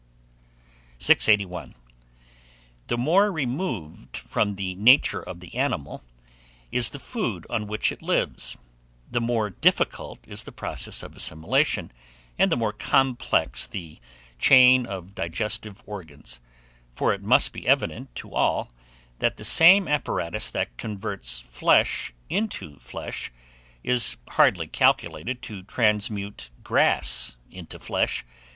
681. THE MORE REMOVED FROM THE NATURE of the animal is the food on which it lives, the more difficult is the process of assimilation, and the more complex the chain of digestive organs; for it must be evident to all, that the same apparatus that converts flesh into flesh, is hardly calculated to transmute grass into flesh.